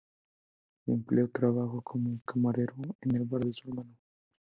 Sin empleo, trabajó como camarero en el bar de su hermano.